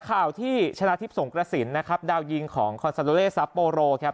ข่าวที่ชนะทิพย์สงกระสินนะครับดาวยิงของคอนซาโดเลซับโปโรครับ